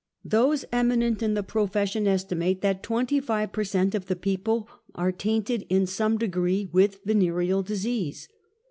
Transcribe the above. Those eminent in the profession estimate that twenty five per cent, of the people are tainted in ! some deo ree with venereal disease.